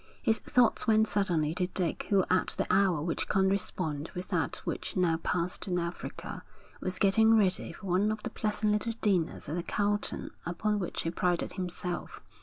His thoughts went suddenly to Dick who at the hour which corresponded with that which now passed in Africa, was getting ready for one of the pleasant little dinners at the Carlton upon which he prided himself.